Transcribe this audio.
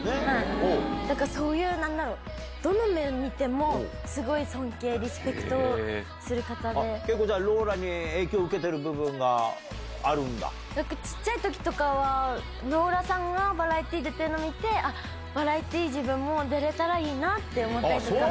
なんかそういう、なんだろう、どの面見てもすごい尊敬、結構、ローラに影響受けてるちっちゃいときとかは、ローラさんがバラエティー出てるの見て、あっ、バラエティー、自分も出れたらいいなって思ったりとか。